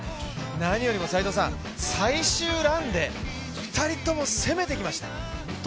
何よりも最終ランで２人とも攻めてきました。